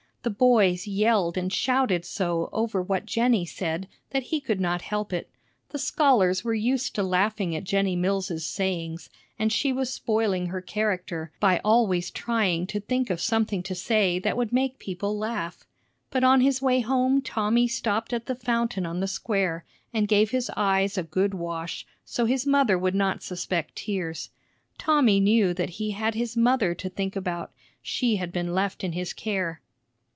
The boys yelled and shouted so over what Jennie said that he could not help it. The scholars were used to laughing at Jennie Mills's sayings, and she was spoiling her character by always trying to think of something to say that would make people laugh. But on his way home Tommy stopped at the fountain on the square, and gave his eyes a good wash, so his mother would not suspect tears. Tommy knew that he had his mother to think about; she had been left in his care.